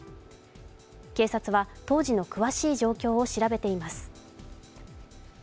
警察は当時の詳しい状況を調べています。